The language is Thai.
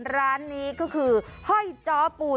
ร้านนี้ก็คือเฮ่ยจอปู